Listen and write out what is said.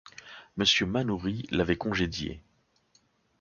Monsieur Manoury l’avait congédiée.